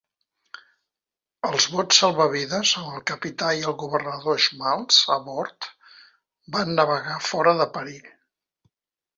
Els bots salvavides, amb el capità i el governador Schmaltz a bord, van navegar fora de perill.